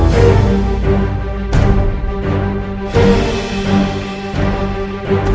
selepas itu kita akan menemukan ayahandamu